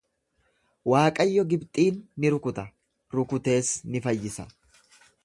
Waaqayyo Gibxiin ni rukuta, rukutees ni fayyisa.